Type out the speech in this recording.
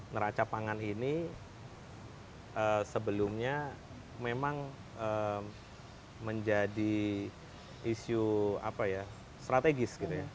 neraca pangan ini sebelumnya memang menjadi isu strategis